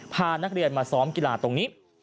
พานักเรียนมาซ้อมกีฬาตรงนี้